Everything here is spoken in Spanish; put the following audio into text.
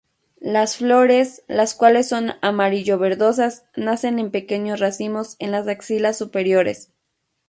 Las flores, las cuales son amarillo-verdosas, nacen en pequeños racimos en las axilas superiores.